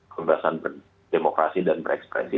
kebebasan berdemokrasi dan berekspresi